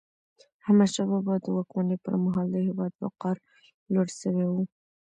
احمدشاه بابا د واکمني پر مهال د هیواد وقار لوړ سوی و.